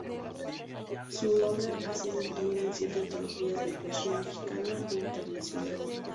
Su obra ha sido incluida en siete antologías de poesía mexicana e internacional.